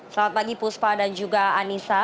selamat pagi puspa dan juga anissa